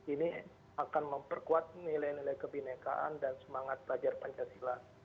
ini akan memperkuat nilai nilai kebinekaan dan semangat belajar pancasila